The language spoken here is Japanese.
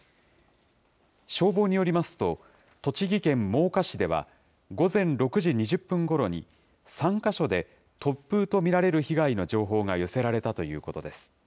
消防によりますと、栃木県真岡市では、午前６時２０分ごろに、３か所で突風と見られる被害の情報が寄せられたということです。